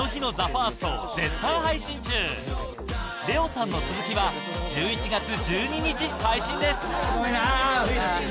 ＬＥＯさんの続きは１１月１２日配信です